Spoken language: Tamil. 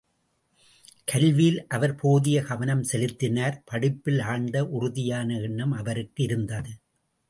கல்வியில் அவர் போதிய கவனம் செலுத்தினார் படிப்பில் ஆழ்ந்த, உறுதியான எண்ணம் அவருக்கு இருந்தது.